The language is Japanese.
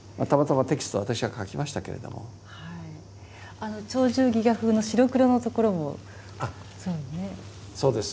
あの「鳥獣戯画」風の白黒のところもそうですね。